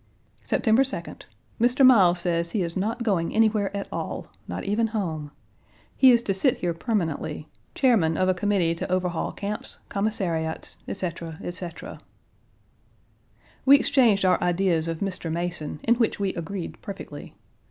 September 2d. Mr. Miles says he is not going anywhere at all, not even home. He is to sit here permanently chairman of a committee to overhaul camps, commissariats, etc., etc. We exchanged our ideas of Mr. Mason, in which we agreed perfectly.